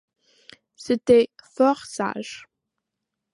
C'était fort sage.